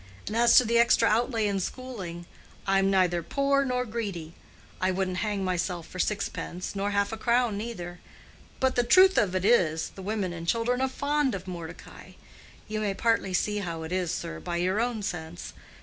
And as to the extra outlay in schooling, I'm neither poor nor greedy—I wouldn't hang myself for sixpence, nor half a crown neither. But the truth of it is, the women and children are fond of Mordecai. You may partly see how it is, sir, by your own sense.